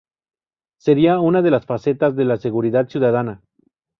Sería una de las facetas de la seguridad ciudadana.